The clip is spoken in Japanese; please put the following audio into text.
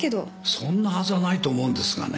そんなはずはないと思うんですがね。